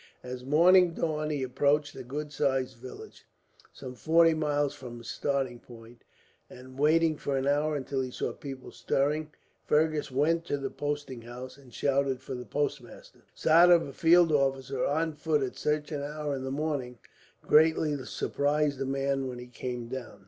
As morning dawned, he approached a good sized village some forty miles from his starting point and, waiting for an hour until he saw people stirring, Fergus went to the posting house and shouted for the postmaster. The sight of a field officer, on foot at such an hour of the morning, greatly surprised the man when he came down.